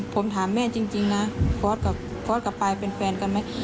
ผมถามแม่จริงนะฟอสกับปลายเป็นแฟนกันไหม